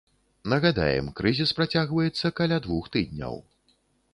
Нагадаем, крызіс працягваецца каля двух тыдняў.